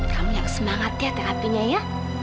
kamu yang semangat ya terapinya ya